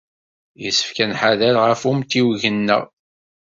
Yessefk ad nḥader ɣef umtiweg-nneɣ.